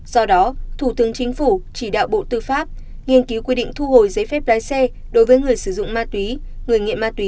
do đó thủ tướng chính phủ chỉ đạo bộ tư pháp nghiên cứu quy định thu hồi giấy phép lái xe đối với người sử dụng ma túy người nghiện ma túy